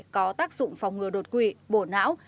có tác dụng phòng ngừa đột quỵ bổ não